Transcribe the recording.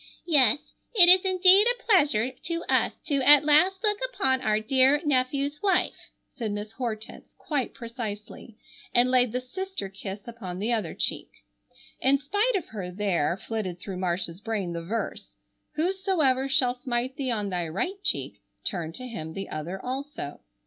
"Yes, it is indeed a pleasure to us to at last look upon our dear nephew's wife," said Miss Hortense quite precisely, and laid the sister kiss upon the other cheek. In spite of her there flitted through Marcia's brain the verse, "Whosoever shall smite thee on thy right cheek, turn to him the other also."